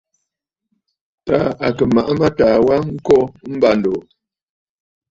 Taà à kɨ̀ màʼa mâtaà wa a kô m̀bândòò.